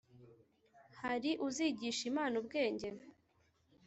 hari uzigisha imana ubwenge,